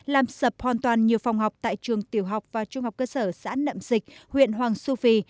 làm sập hoàn toàn nhiều phòng học tại trường tiểu học và trung học cơ sở xã nậm dịch huyện hoàng su phi